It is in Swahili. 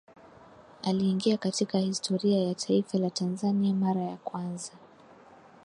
Aliingia katika historia ya taifa la Tanzania mara ya kwanza